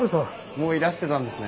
もういらしてたんですね。